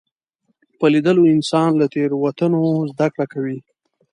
په لیدلو انسان له تېروتنو زده کړه کوي